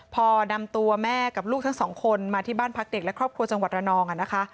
พอนำตัวแม่กับลูกทั้งสองคนมาที่บ้านพักเด็กและครอบครัวจังหวัดระนองนะคะ